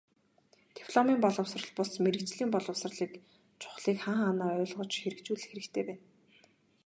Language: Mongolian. Дипломын боловсрол бус, мэргэжлийн боловсролыг чухлыг хаа хаанаа ойлгож хэрэгжүүлэх хэрэгтэй байна.